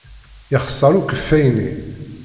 Yexṣer ukeffay-nni.